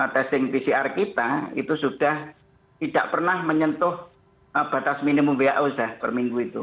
testing pcr kita itu sudah tidak pernah menyentuh batas minimum who per minggu itu